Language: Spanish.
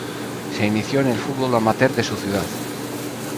Se inició en el fútbol amateur de su ciudad.